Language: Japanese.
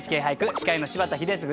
司会の柴田英嗣です。